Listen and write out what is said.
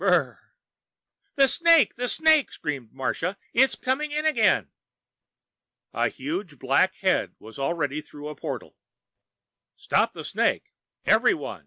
_" "The snake! The snake!" screamed Marsha. "It's coming in again!" The huge black head was already through a portal. "Stop the snake, everyone!"